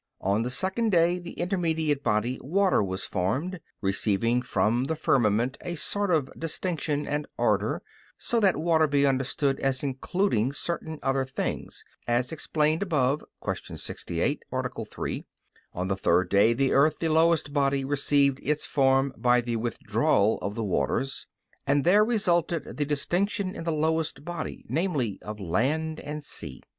On the second day the intermediate body, water, was formed, receiving from the firmament a sort of distinction and order (so that water be understood as including certain other things, as explained above (Q. 68, A. 3)). On the third day the earth, the lowest body, received its form by the withdrawal of the waters, and there resulted the distinction in the lowest body, namely, of land and sea.